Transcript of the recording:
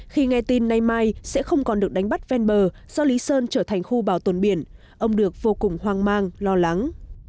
khi nghe tin nay mai sẽ không còn được đánh bắt ven bờ do lý sơn trở thành khu bảo tồn biển ông được vô cùng hoang mang lo lắng